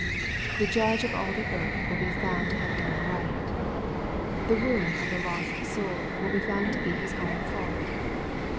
The Judge of all the earth will be found to have done right. The ruin of the lost soul will be found to be his own fault.